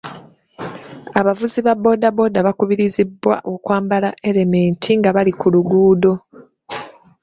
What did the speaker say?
Abavuzi ba boodabooda bakubirizibwa okwambala erementi nga bali ku luguudo.